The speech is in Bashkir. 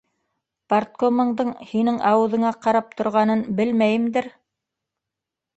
Парткомыңдың һинең ауыҙыңа ҡарап торғанын белмәйемдер.